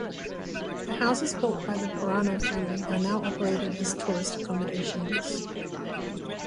The houses built by the Perano family are now operated as tourist accommodations.